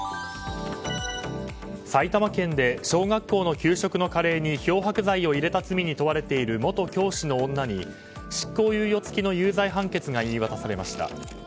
埼玉県で小学校の給食のカレーに漂白剤を入れた罪に問われている元教師の女に執行猶予付きの有罪判決が言い渡されました。